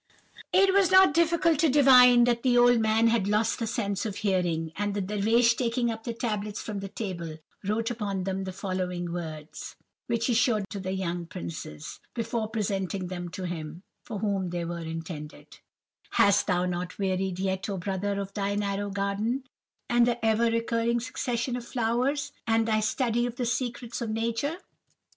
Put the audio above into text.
"It was not difficult to divine that the old man had lost the sense of hearing, and the Dervish, taking up the tablets from the table, wrote upon them the following words, which he showed to the young princes, before presenting them to him for whom they were intended:— "'Hast thou not wearied yet, oh brother, of thy narrow garden, and the ever recurring succession of flowers, and thy study of the secrets of Nature?